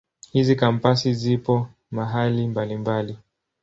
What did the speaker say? Hizi Kampasi zipo mahali mbalimbali.